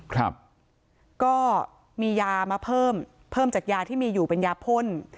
ครับก็มียามาเพิ่มเพิ่มจากยาที่มีอยู่เป็นยาพ่น